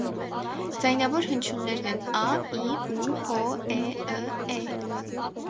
Ձայնավոր հնչույթներն են ա, ի, ու, օ, է, ը, է՝։